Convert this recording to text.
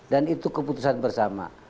dan itu keputusan bersama